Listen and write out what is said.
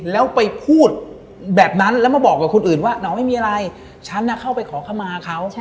แล้วไปพูดแบบนั้นแล้วมาบอกกับคนอื่นว่าน้องไม่มีอะไรฉันเข้าไปขอขมาเขา